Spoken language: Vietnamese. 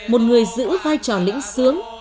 một người giữ vai trò lĩnh sướng